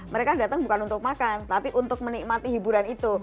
mereka datang bukan untuk makan tapi untuk menikmati hiburan itu